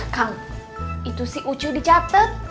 kang itu si ucu dicatat